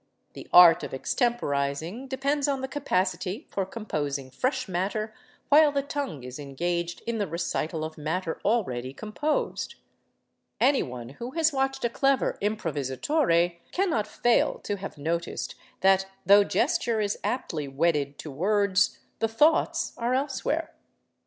The art of extemporizing depends on the capacity for composing fresh matter while the tongue is engaged in the recital of matter already composed. Anyone who has watched a clever improvisatore cannot fail to have noticed that, though gesture is aptly wedded to words, the thoughts are elsewhere.